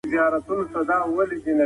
تاریخي افتخارات مو یاد ساتئ.